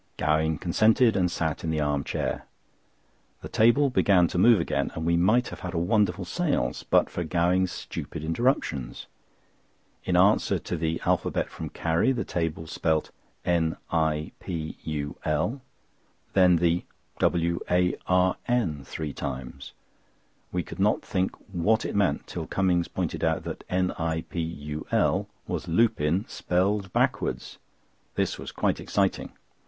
Gowing consented and sat in the arm chair. The table began to move again, and we might have had a wonderful séance but for Gowing's stupid interruptions. In answer to the alphabet from Carrie the table spelt "NIPUL," then the "WARN" three times. We could not think what it meant till Cummings pointed out that "NIPUL" was Lupin spelled backwards. This was quite exciting.